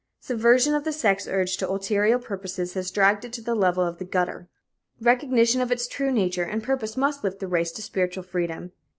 Subversion of the sex urge to ulterior purposes has dragged it to the level of the gutter. Recognition of its true nature and purpose must lift the race to spiritual freedom.